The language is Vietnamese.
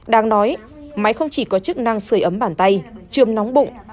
đang nói máy không chỉ có chức năng sửa ấm bàn tay chươm nóng bụng